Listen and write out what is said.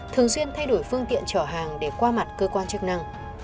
thường xuyên thay đổi phương tiện trở hàng để qua mặt cơ quan chức năng